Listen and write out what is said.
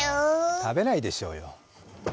食べないでしょうよ。